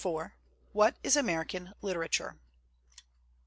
IV WHAT IS AMERICAN LITERATURE?